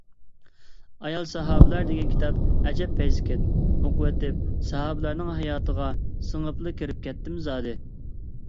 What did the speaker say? «ئايال ساھابىلەر» دېگەن كىتاب ئەجەب پەيزىكەن، ئوقۇۋېتىپ ساھابىلەرنىڭ ھاياتىغا سىڭىپلا كىرىپ كەتتىم زادى.